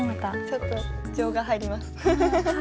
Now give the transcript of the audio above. ちょっと情が入ります。